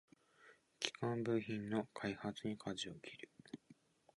基幹部品の開発にかじを切る